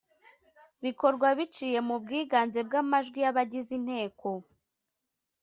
bikorwa biciye mu bwiganze bw amajwi y abagize inteko